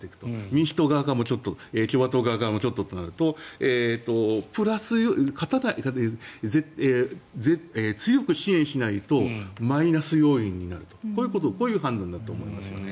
民主党側もちょっと共和党側もちょっととなると強く支援しないとマイナス要因になるという判断だと思いますね。